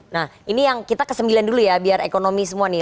nah ini yang kita ke sembilan dulu ya biar ekonomi semua nih